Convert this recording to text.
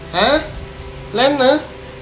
ฮะเล่นเหรอ